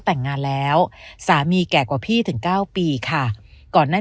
แต่งงานแล้วสามีแก่กว่าพี่ถึง๙ปีค่ะก่อนนั้น